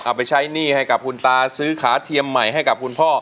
ไปใช้หนี้ให้กับคุณตาซื้อขาเทียมใหม่ให้กับคุณพ่อ